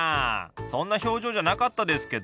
そんな表情じゃなかったですけど。